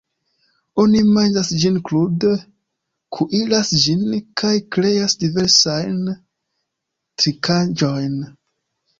Oni manĝas ĝin krude, kuiras ĝin, kaj kreas diversajn trinkaĵojn.